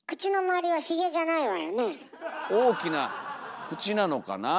大きな口なのかなあ？